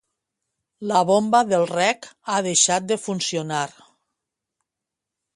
la bomba del reg ha deixat de funcionar